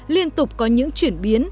liên tục có những chuyển biến